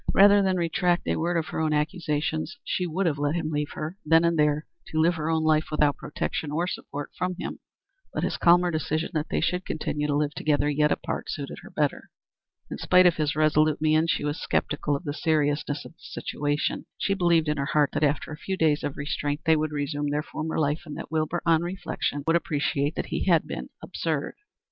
Rather than retract a word of her own accusations she would have let him leave her, then and there, to live her own life without protection or support from him, but his calmer decision that they should continue to live together, yet apart, suited her better. In spite of his resolute mien she was sceptical of the seriousness of the situation. She believed in her heart that after a few days of restraint they would resume their former life, and that Wilbur, on reflection, would appreciate that he had been absurd.